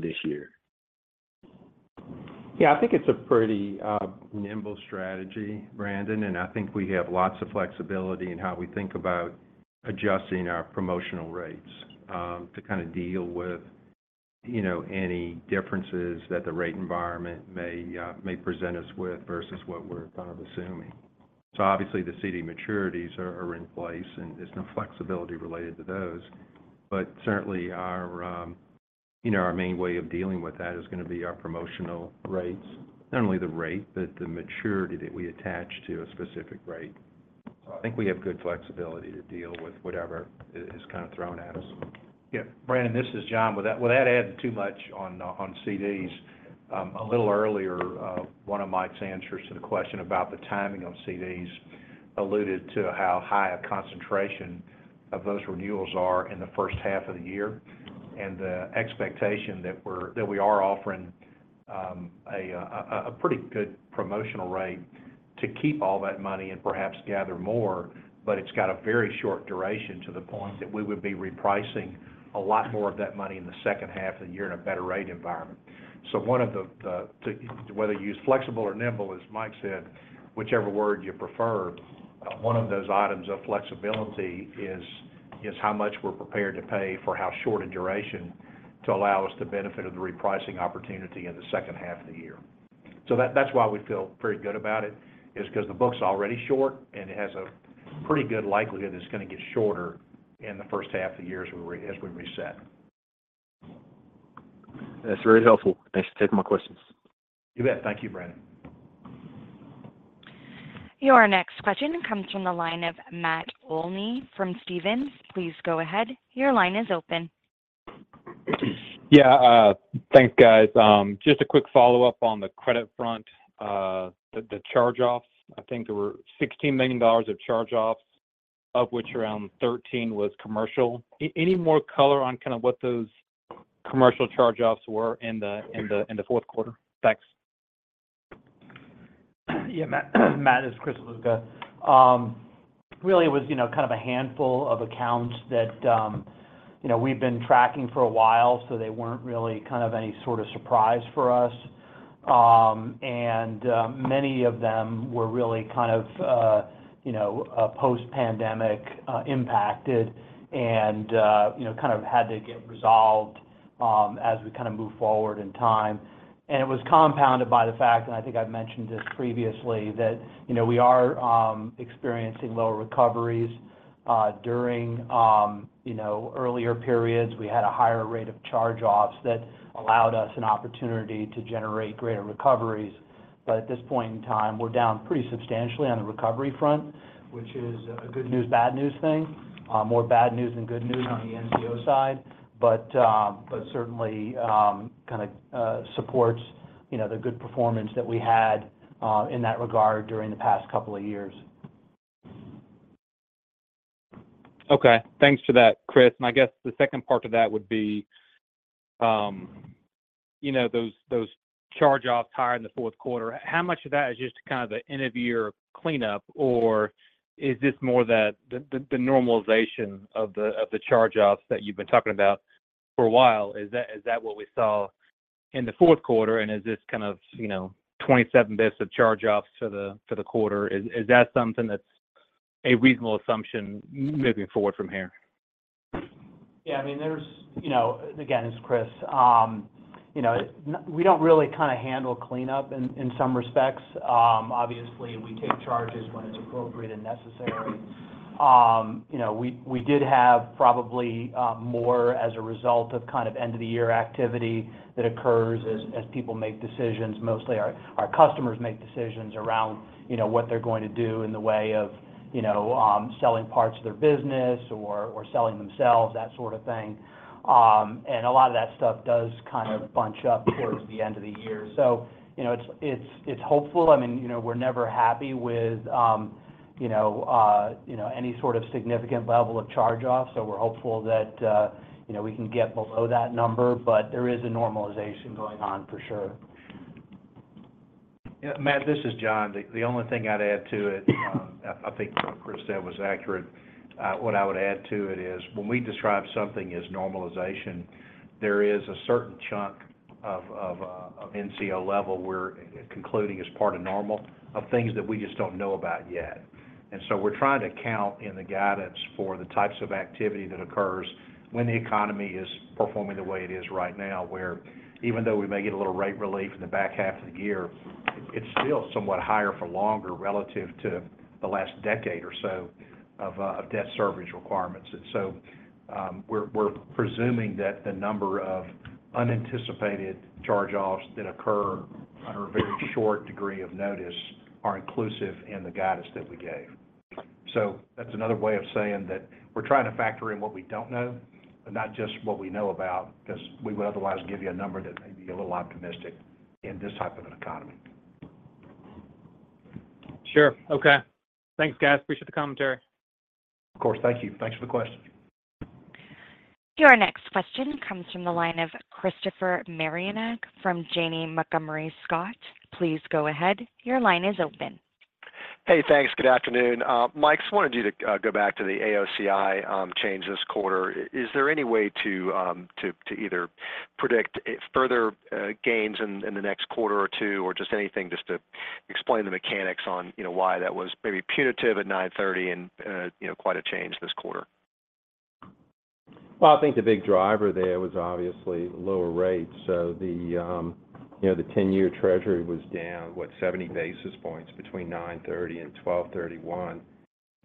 this year? Yeah, I think it's a pretty nimble strategy, Brandon, and I think we have lots of flexibility in how we think about adjusting our promotional rates to kind of deal with, you know, any differences that the rate environment may present us with versus what we're kind of assuming. So obviously, the CD maturities are in place, and there's no flexibility related to those. But certainly, our you know, our main way of dealing with that is going to be our promotional rates. Not only the rate, but the maturity that we attach to a specific rate. So I think we have good flexibility to deal with whatever is kind of thrown at us. Yeah, Brandon, this is John. Without adding too much on CDs, a little earlier, one of Mike's answers to the question about the timing on CDs alluded to how high a concentration of those renewals are in the first half of the year, and the expectation that we are offering a pretty good promotional rate to keep all that money and perhaps gather more, but it's got a very short duration to the point that we would be repricing a lot more of that money in the second half of the year in a better rate environment. So one of the whether you use flexible or nimble, as Mike said, whichever word you prefer, one of those items of flexibility is how much we're prepared to pay for how short a duration to allow us the benefit of the repricing opportunity in the second half of the year. So that's why we feel pretty good about it, is 'cause the book's already short, and it has a pretty good likelihood it's going to get shorter in the first half of the year as we reset. That's very helpful. Thanks for taking my questions. You bet. Thank you, Brandon. Your next question comes from the line of Matt Olney from Stephens. Please go ahead. Your line is open. Yeah, thanks, guys. Just a quick follow-up on the credit front. The charge-offs, I think there were $16 million of charge-offs, of which around $13 million was commercial. Any more color on kind of what those commercial charge-offs were in the fourth quarter? Thanks. Yeah, Matt, Matt, this is Chris Ziluca. Really, it was, you know, kind of a handful of accounts that, you know, we've been tracking for a while, so they weren't really kind of any sort of surprise for us. And many of them were really kind of, you know, post-pandemic impacted and, you know, kind of had to get resolved, as we kind of move forward in time. And it was compounded by the fact, and I think I've mentioned this previously, that, you know, we are experiencing lower recoveries. During, you know, earlier periods, we had a higher rate of charge-offs that allowed us an opportunity to generate greater recoveries. But at this point in time, we're down pretty substantially on the recovery front, which is a good news, bad news thing. More bad news than good news on the NCO side, but certainly kind of supports, you know, the good performance that we had in that regard during the past couple of years. Okay. Thanks for that, Chris. And I guess the second part of that would be, you know, those charge-offs higher in the fourth quarter, how much of that is just kind of the end-of-year cleanup, or is this more the normalization of the charge-offs that you've been talking about for a while? Is that what we saw in the fourth quarter, and is this kind of, you know, 27 bps of charge-offs for the quarter? Is that something that's a reasonable assumption moving forward from here? Yeah, I mean, there's. You know, again, it's Chris. You know, we don't really kind of handle cleanup in some respects. Obviously, we take charges when it's appropriate and necessary. You know, we did have probably more as a result of kind of end-of-the-year activity that occurs as people make decisions. Mostly our customers make decisions around, you know, what they're going to do in the way of, you know, selling parts of their business or selling themselves, that sort of thing. And a lot of that stuff does kind of bunch up toward the end of the year. So, you know, it's hopeful. I mean, you know, we're never happy with, you know, you know, any sort of significant level of charge-offs, so we're hopeful that, you know, we can get below that number, but there is a normalization going on for sure. Yeah, Matt, this is John. The only thing I'd add to it, I think what Chris said was accurate. What I would add to it is, when we describe something as normalization, there is a certain chunk of NCO level we're concluding as part of normal things that we just don't know about yet. And so we're trying to count in the guidance for the types of activity that occurs when the economy is performing the way it is right now, where even though we may get a little rate relief in the back half of the year, it's still somewhat higher for longer relative to the last decade or so of debt service requirements. And so, we're presuming that the number of unanticipated charge-offs that occur on a very short degree of notice are inclusive in the guidance that we gave. So that's another way of saying that we're trying to factor in what we don't know, but not just what we know about, because we would otherwise give you a number that may be a little optimistic in this type of an economy. Sure. Okay. Thanks, guys. Appreciate the commentary. Of course. Thank you. Thanks for the question. Your next question comes from the line of Christopher Marinac from Janney Montgomery Scott. Please go ahead. Your line is open. Hey, thanks. Good afternoon. Mike, just wanted you to go back to the AOCI change this quarter. Is there any way to either predict further gains in the next quarter or two, or just anything to explain the mechanics on, you know, why that was maybe punitive at 9/30 and, you know, quite a change this quarter? Well, I think the big driver there was obviously lower rates. So the, you know, the 10-year Treasury was down, what, 70 basis points between 9/30 and 12/31.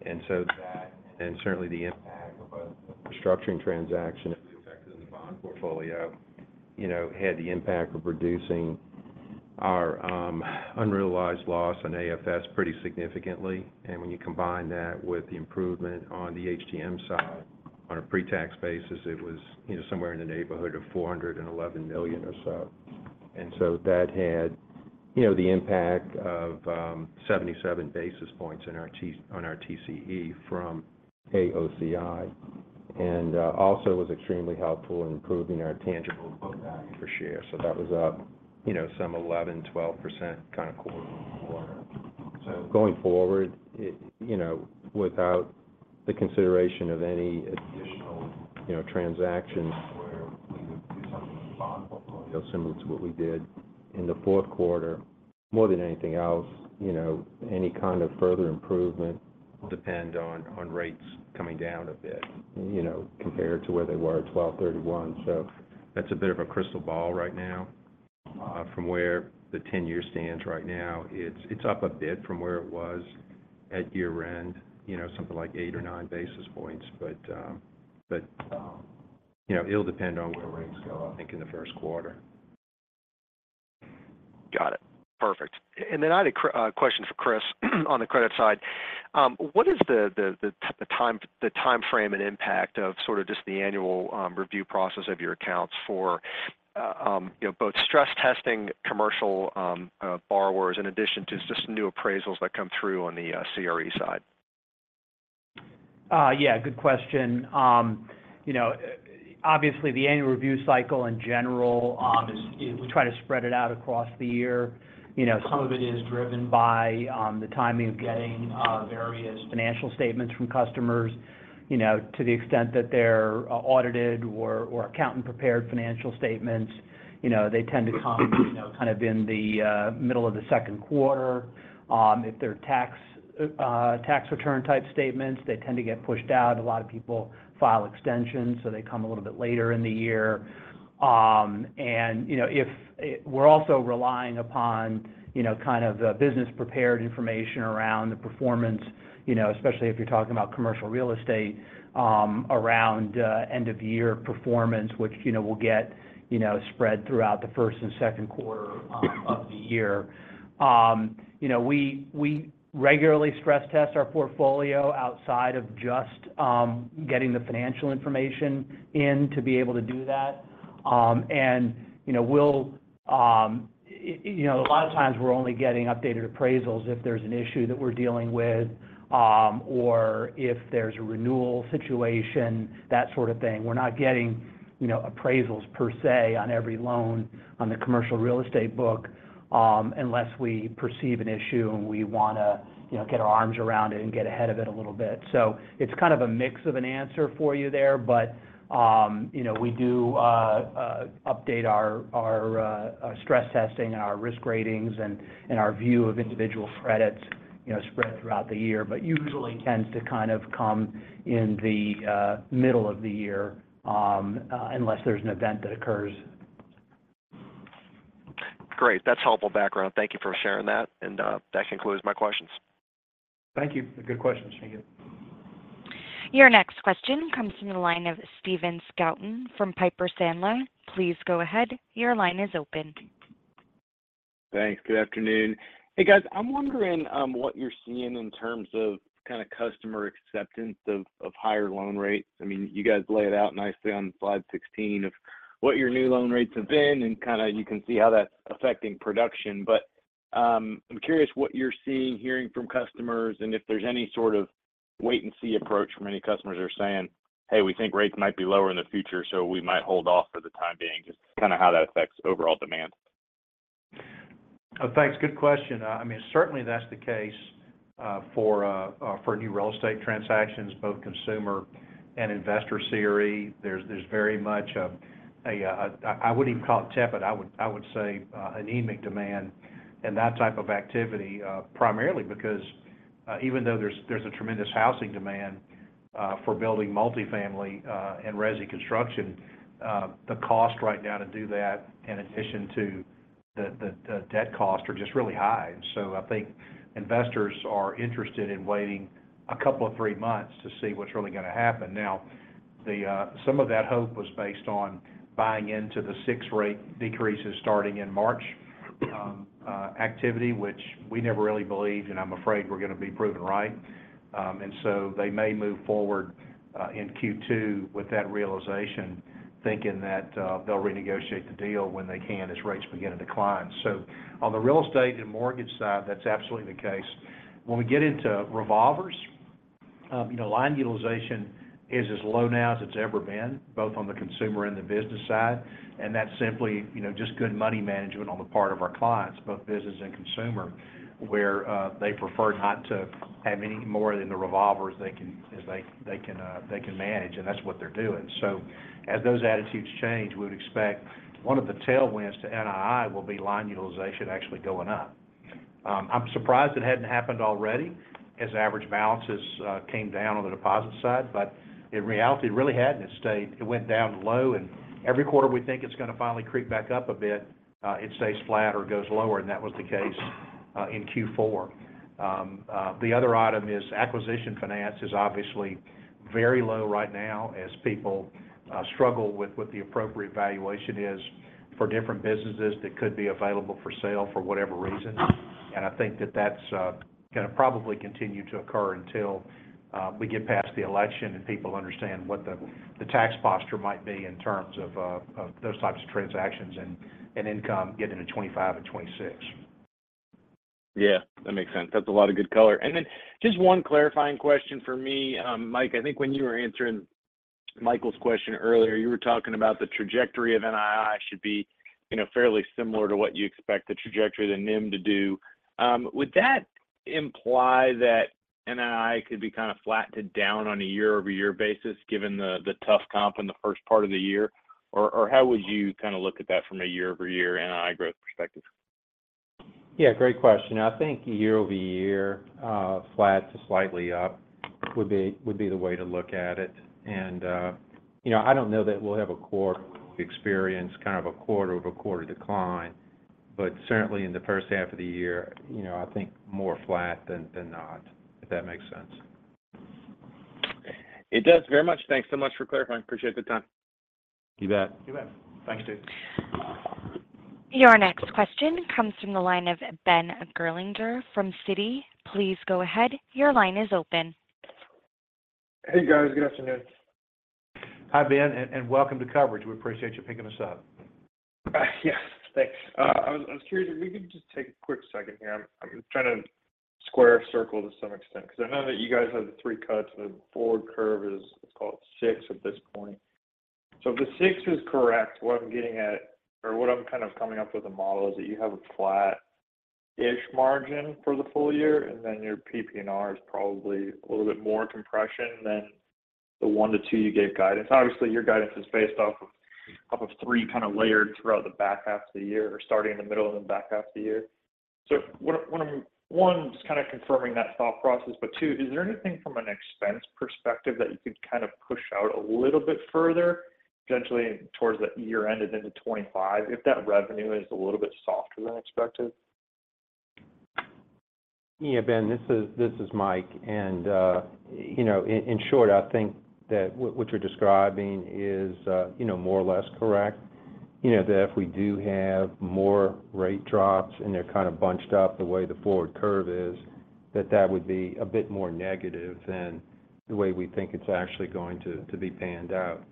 And so that, and certainly the impact of a restructuring transaction affected in the bond portfolio, you know, had the impact of reducing our unrealized loss on AFS pretty significantly. And when you combine that with the improvement on the HTM side, on a pre-tax basis, it was, you know, somewhere in the neighborhood of $411 million or so. And so that had, you know, the impact of 77 basis points on our TCE from AOCI, and also was extremely helpful in improving our tangible book value per share. So that was up, you know, some 11%-12% kind of quarter-over-quarter. So going forward, it, you know, without the consideration of any additional, you know, transactions where we would do something in the bond portfolio, similar to what we did in the fourth quarter, more than anything else, you know, any kind of further improvement will depend on, on rates coming down a bit, you know, compared to where they were at 12/31. So that's a bit of a crystal ball right now. From where the 10-year stands right now, it's, it's up a bit from where it was at year-end, you know, something like 8 or 9 basis points. But, you know, it'll depend on where rates go, I think, in the first quarter. Got it. Perfect. And then I had a question for Chris, on the credit side. What is the timeframe and impact of sort of just the annual review process of your accounts for, you know, both stress testing commercial borrowers, in addition to just new appraisals that come through on the CRE side?... Yeah, good question. You know, obviously, the annual review cycle in general is we try to spread it out across the year. You know, some of it is driven by the timing of getting various financial statements from customers, you know, to the extent that they're audited or accountant-prepared financial statements. You know, they tend to come, you know, kind of in the middle of the second quarter. If they're tax return-type statements, they tend to get pushed out. A lot of people file extensions, so they come a little bit later in the year. And, you know, if... We're also relying upon, you know, kind of the business-prepared information around the performance, you know, especially if you're talking about commercial real estate, around end-of-year performance, which, you know, will get, you know, spread throughout the first and second quarter of the year. You know, we regularly stress test our portfolio outside of just getting the financial information in to be able to do that. And, you know, we'll you know, a lot of times we're only getting updated appraisals if there's an issue that we're dealing with, or if there's a renewal situation, that sort of thing. We're not getting, you know, appraisals per se, on every loan on the commercial real estate book, unless we perceive an issue, and we wanna, you know, get our arms around it and get ahead of it a little bit. So it's kind of a mix of an answer for you there. But, you know, we do update our stress testing and our risk ratings and our view of individual credits, you know, spread throughout the year, but usually tends to kind of come in the middle of the year, unless there's an event that occurs. Great. That's helpful background. Thank you for sharing that, and that concludes my questions. Thank you. Good question, Chris. Your next question comes from the line of Steven Scouten from Piper Sandler. Please go ahead. Your line is open. Thanks. Good afternoon. Hey, guys, I'm wondering what you're seeing in terms of kind of customer acceptance of higher loan rates. I mean, you guys lay it out nicely on slide 16 of what your new loan rates have been, and kind of you can see how that's affecting production. But, I'm curious what you're seeing, hearing from customers, and if there's any sort of wait-and-see approach from any customers that are saying: "Hey, we think rates might be lower in the future, so we might hold off for the time being." Just kind of how that affects overall demand. Thanks. Good question. I mean, certainly that's the case for new real estate transactions, both consumer and investor CRE. There's very much. I wouldn't even call it tepid. I would say anemic demand in that type of activity. Primarily because even though there's a tremendous housing demand for building multifamily and resi construction, the cost right now to do that, in addition to the debt costs, are just really high. And so I think investors are interested in waiting a couple or three months to see what's really going to happen. Now, some of that hope was based on buying into the six rate decreases starting in March activity, which we never really believed, and I'm afraid we're going to be proven right. And so they may move forward in Q2 with that realization, thinking that they'll renegotiate the deal when they can, as rates begin to decline. So on the real estate and mortgage side, that's absolutely the case. When we get into revolvers, you know, line utilization is as low now as it's ever been, both on the consumer and the business side, and that's simply, you know, just good money management on the part of our clients, both business and consumer, where they prefer not to have any more than the revolvers they can manage, and that's what they're doing. So as those attitudes change, we would expect one of the tailwinds to NII will be line utilization actually going up. I'm surprised it hadn't happened already as average balances came down on the deposit side, but in reality, it really hadn't. It stayed- it went down low, and every quarter we think it's going to finally creep back up a bit, it stays flat or goes lower, and that was the case in Q4. The other item is acquisition finance is obviously very low right now as people struggle with what the appropriate valuation is for different businesses that could be available for sale for whatever reason. And I think that that's gonna probably continue to occur until we get past the election and people understand what the, the tax posture might be in terms of, of those types of transactions and, and income getting into 2025 and 2026. Yeah, that makes sense. That's a lot of good color. And then just one clarifying question for me. Mike, I think when you were answering Michael's question earlier, you were talking about the trajectory of NII should be, you know, fairly similar to what you expect the trajectory of the NIM to do. Would that imply that NII could be kind of flattened down on a year-over-year basis, given the tough comp in the first part of the year? Or how would you kind of look at that from a year-over-year NII growth perspective? Yeah, great question. I think year-over-year, flat to slightly up would be the way to look at it. And, you know, I don't know that we'll have a quarter experience, kind of a quarter-over-quarter decline, but certainly in the first half of the year, you know, I think more flat than not, if that makes sense. It does very much. Thanks so much for clarifying. Appreciate the time. You bet. You bet. Thanks, Steve. Your next question comes from the line of Ben Gerlinger from Citi. Please go ahead. Your line is open. Hey, guys. Good afternoon.... Hi, Ben, and welcome to coverage. We appreciate you picking us up. Yes, thanks. I was curious if we could just take a quick second here. I'm trying to square a circle to some extent, 'cause I know that you guys have the 3 cuts, and the forward curve is called 6 at this point. So if the 6 is correct, what I'm getting at or what I'm kind of coming up with a model is that you have a flat-ish margin for the full year, and then your PPNR is probably a little bit more compression than the 1-2 you gave guidance. Obviously, your guidance is based off of 3 kind of layered throughout the back half of the year or starting in the middle and the back half of the year. So one, just kind of confirming that thought process, but two, is there anything from an expense perspective that you could kind of push out a little bit further, potentially towards the year-end and into 2025, if that revenue is a little bit softer than expected? Yeah, Ben, this is Mike, and you know, in short, I think that what you're describing is you know, more or less correct. You know, that if we do have more rate drops and they're kind of bunched up the way the forward curve is, that that would be a bit more negative than the way we think it's actually going to be panned out.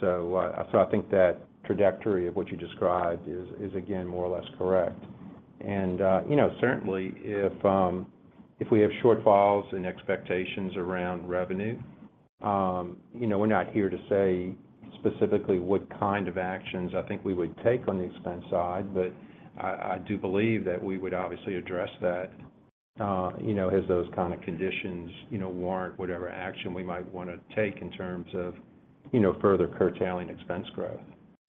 So, so I think that trajectory of what you described is again, more or less correct. And, you know, certainly if we have shortfalls in expectations around revenue, you know, we're not here to say specifically what kind of actions I think we would take on the expense side, but I do believe that we would obviously address that, you know, as those kind of conditions, you know, warrant whatever action we might wanna take in terms of, you know, further curtailing expense growth.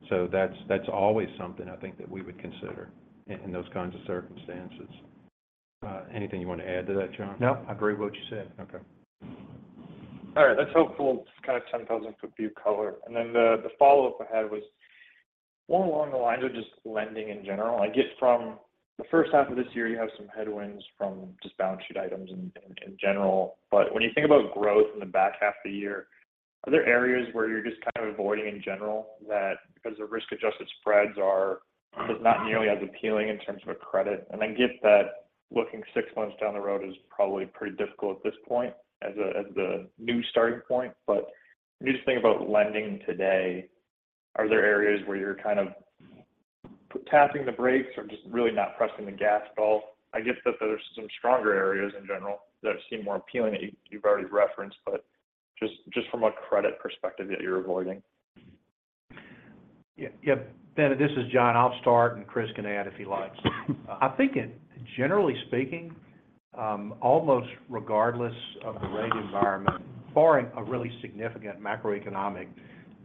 So that's always something I think that we would consider in those kinds of circumstances. Anything you want to add to that, John? No, I agree with what you said. Okay. All right. That's helpful, just kind of 10,000-foot view color. And then the follow-up I had was more along the lines of just lending in general. I get from the first half of this year, you have some headwinds from just balance sheet items in general. But when you think about growth in the back half of the year, are there areas where you're just kind of avoiding in general that because the risk-adjusted spreads are just not nearly as appealing in terms of a credit? And I get that looking six months down the road is probably pretty difficult at this point as the new starting point. But when you just think about lending today, are there areas where you're kind of tapping the brakes or just really not pressing the gas at all? I get that there are some stronger areas in general that seem more appealing, that you've already referenced, but just from a credit perspective that you're avoiding. Yeah, yeah. Ben, this is John. I'll start, and Chris can add if he likes. I think it—generally speaking, almost regardless of the rate environment, barring a really significant macroeconomic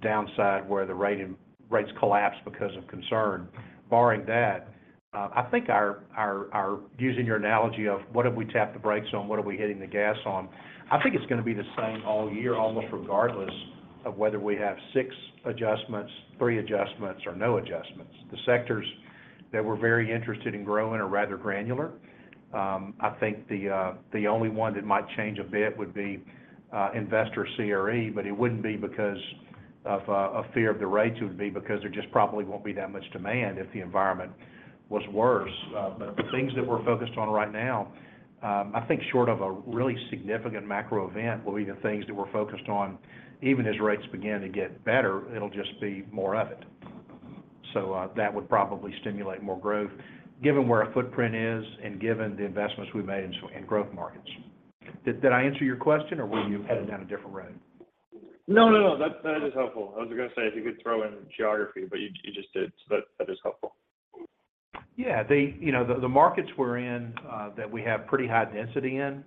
downside where the rates collapse because of concern, barring that, I think our—Using your analogy of what have we tapped the brakes on, what are we hitting the gas on? I think it's going to be the same all year, almost regardless of whether we have 6 adjustments, 3 adjustments, or no adjustments. The sectors that we're very interested in growing are rather granular. I think the only one that might change a bit would be investor CRE, but it wouldn't be because of a fear of the rates, it would be because there just probably won't be that much demand if the environment was worse. But the things that we're focused on right now, I think short of a really significant macro event, will be the things that we're focused on, even as rates begin to get better, it'll just be more of it. So, that would probably stimulate more growth, given where our footprint is and given the investments we've made in growth markets. Did I answer your question or were you headed down a different road? No, no, no. That is helpful. I was going to say, if you could throw in geography, but you just did. So that is helpful. Yeah. You know, the markets we're in, that we have pretty high density in,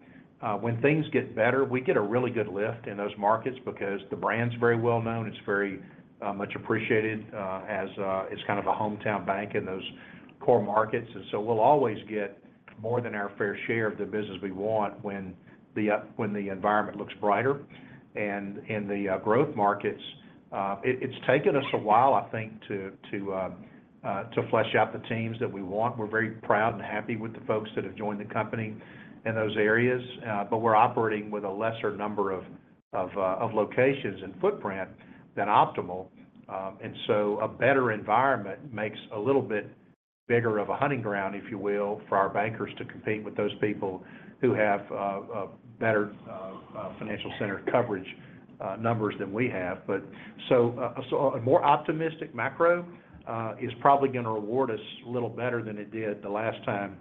when things get better, we get a really good lift in those markets because the brand's very well known. It's very much appreciated, as it's kind of a hometown bank in those core markets. And so we'll always get more than our fair share of the business we want when the environment looks brighter. And in the growth markets, it's taken us a while, I think, to flesh out the teams that we want. We're very proud and happy with the folks that have joined the company in those areas, but we're operating with a lesser number of locations and footprint than optimal. And so a better environment makes a little bit bigger of a hunting ground, if you will, for our bankers to compete with those people who have a better financial center coverage numbers than we have. But so, so a more optimistic macro is probably going to reward us a little better than it did the last time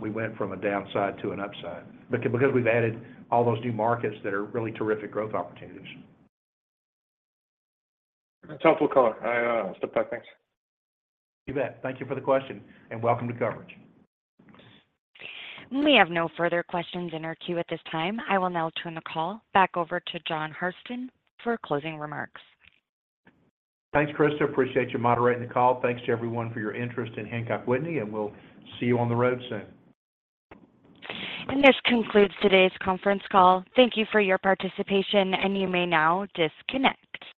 we went from a downside to an upside, because we've added all those new markets that are really terrific growth opportunities. That's helpful color. I stand by. Thanks. You bet. Thank you for the question, and welcome to coverage. We have no further questions in our queue at this time. I will now turn the call back over to John Hairston for closing remarks. Thanks, Krista. Appreciate you moderating the call. Thanks to everyone for your interest in Hancock Whitney, and we'll see you on the road soon. This concludes today's conference call. Thank you for your participation, and you may now disconnect.